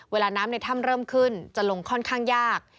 เวลาน้ำในถ้ำเริ่มขึ้นจะลงค่อนข้างยาก